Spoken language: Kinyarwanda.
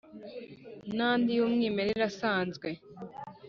nandi yu mwimwerere asanzwe